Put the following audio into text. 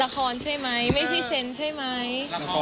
ราคอนใช่ไหมไม่ใช่เซนส์ใช่ไหม